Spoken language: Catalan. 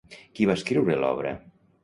Qui va escriure l'obra?